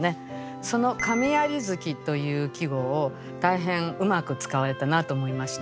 その「神在月」という季語を大変うまく使われたなと思いました。